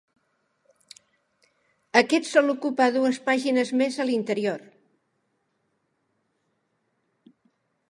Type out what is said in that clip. Aquest sol ocupar dues pàgines més a l'interior.